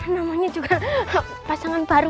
namanya juga pasangan baru